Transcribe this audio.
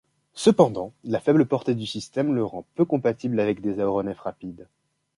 Cependant la faible portée du système le rend peu compatible avec des aéronefs rapides.